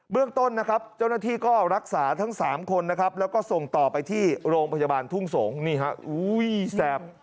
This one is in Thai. เบื้องต้นเจ้าหน้าที่ก็รักษาทั้ง๓คนแล้วก็ส่งต่อไปที่โรงพยาบาลทุ่งสงศ์